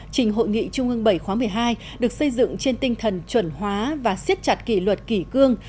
trình hội nghị trung ương bảy khóa một mươi hai được xây dựng trên tinh thần chuẩn hóa và siết chặt kỷ luật kỷ cương